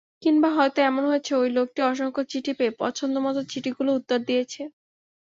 কিংবা হয়তো এমন হয়েছে, ঐ লোকটি অসংখ্য চিঠি পেয়ে পছন্দমতো চিঠিগুলোর উত্তর দিয়েছে।